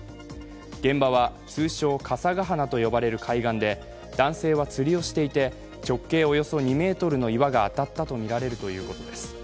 現場は通称・笠ヶ鼻は呼ばれる海岸で男性は釣りをしていて直径およそ２ｍの岩が当たったとみられるということです。